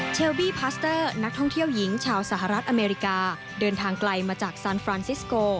เชลบี้พาสเตอร์นักท่องเที่ยวหญิงชาวสหรัฐอเมริกาเดินทางไกลมาจากซานฟรานซิสโก